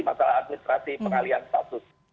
masalah administrasi pengalian status